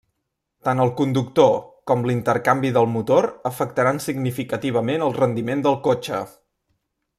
Tant el conductor com l’intercanvi del motor afectaran significativament el rendiment del cotxe.